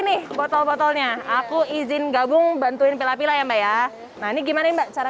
nih botol botolnya aku izin gabung bantuin pila pila ya mbak ya nah ini gimana mbak cara